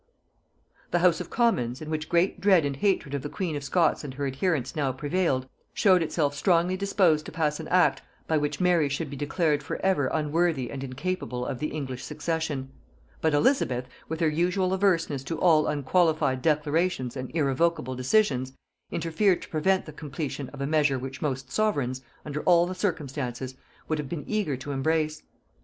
The house of commons, in which great dread and hatred of the queen of Scots and her adherents now prevailed, showed itself strongly disposed to pass an act by which Mary should be declared for ever unworthy and incapable of the English succession: but Elizabeth, with her usual averseness to all unqualified declarations and irrevocable decisions, interfered to prevent the completion of a measure which most sovereigns, under all the circumstances, would have been eager to embrace.